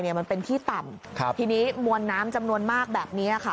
มันเป็นที่ต่ำครับทีนี้มวลน้ำจำนวนมากแบบนี้ค่ะ